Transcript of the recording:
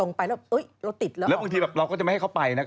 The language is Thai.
ไม่ล็อกคิวอ่ะรับสนามผมไม่ล็อกคิวอ่ะ